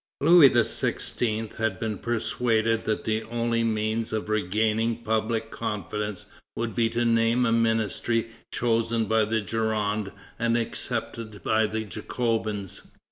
Louis XVI. had been persuaded that the only means of regaining public confidence would be to name a ministry chosen by the Gironde and accepted by the Jacobins.